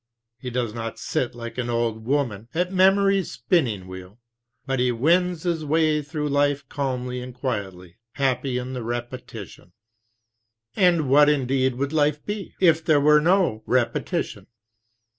He does not sit tike an old woman at memory's spinning wheel, but he wends his way through life calmly and quietly, happy in the repetition. And what indeed would life 24 be, if there were no repetition?